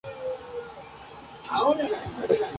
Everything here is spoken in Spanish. El partido se disputó en el Providence Park en Portland, Oregón.